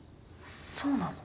そうなの？